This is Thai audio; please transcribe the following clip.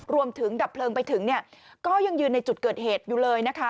ดับเพลิงไปถึงเนี่ยก็ยังยืนในจุดเกิดเหตุอยู่เลยนะคะ